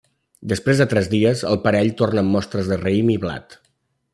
Després de tres dies, el parell torna amb mostres de raïm i blat.